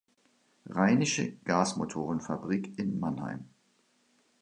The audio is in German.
Rheinische Gasmotorenfabrik in Mannheim“.